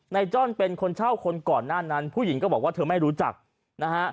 จ้อนเป็นคนเช่าคนก่อนหน้านั้นผู้หญิงก็บอกว่าเธอไม่รู้จักนะฮะ